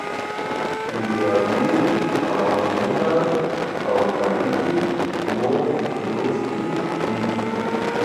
کیمیاوي تعاملونه او اړیکې مو لوستې دي.